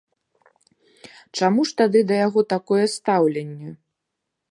Чаму ж тады да яго такое стаўленне?